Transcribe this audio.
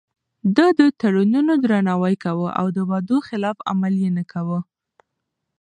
ده د تړونونو درناوی کاوه او د وعدو خلاف عمل يې نه کاوه.